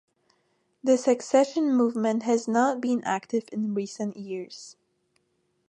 The secession movement has not been active in recent years.